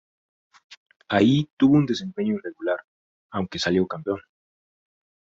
Ahí tuvo un desempeño irregular, aunque salió campeón.